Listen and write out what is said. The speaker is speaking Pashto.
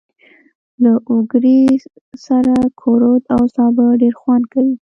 له اوگرې سره کورت او سابه ډېر خوند کوي.